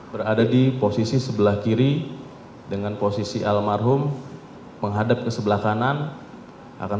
berada di posisi sebelah kiri dengan posisi almarhum menghadap kesebelah kanan